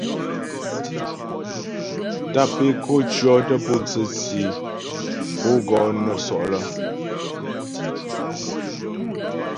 Tàp é ko cyɔtə pǒtsə tsyé pǒ gɔ nə́ sɔ' lə́.